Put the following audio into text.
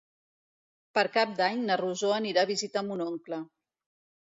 Per Cap d'Any na Rosó anirà a visitar mon oncle.